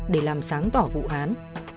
để làm sáng tỏ vụ án